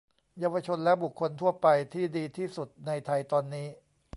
เยาวชนและบุคคลทั่วไป ที่ดีที่สุดในไทยตอนนี้